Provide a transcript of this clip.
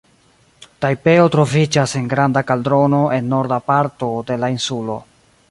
Tajpeo troviĝas en granda kaldrono en norda parto de la insulo.